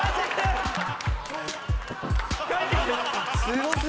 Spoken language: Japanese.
帰ってきて！